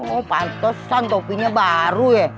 oh pantesan topinya baru ya